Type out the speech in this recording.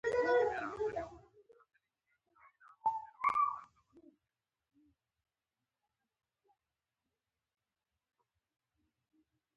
چپتیا، د شخصیت ښایست دی.